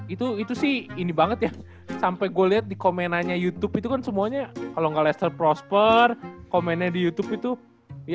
itu itu sih ini banget ya sampe gue liat di komenanya youtube itu kan semuanya kalo ga lester prosper komennya di youtube itu ya hampir semua ini lah mencelam